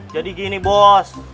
jadi gini bos